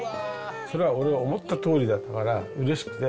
それは俺が思ったとおりだったからうれしくて。